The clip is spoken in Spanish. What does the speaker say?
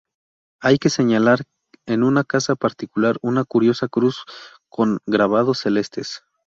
Hay que señalar en una casa particular una curiosa cruz con grabados celestes